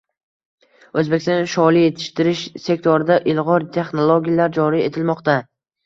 O‘zbekiston sholi yetishtirish sektorida ilg‘or texnologiyalar joriy etilmoqdang